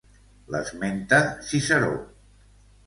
L'esmenta Ciceró.